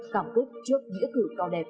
cảm thức trước nghĩa cử cao đẹp